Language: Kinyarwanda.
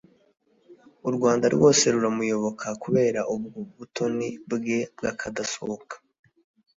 u Rwanda rwose ruramuyoboka kubera ubwo butoni bwe bw’akadasohoka